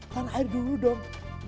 tanah air dulu dong